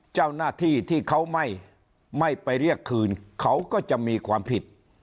เจ้าหน้าที่ที่เขาไม่ไปเรียกคืนเขาก็จะมีความผิด